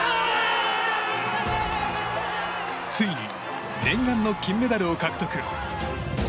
ついに念願の金メダルを獲得。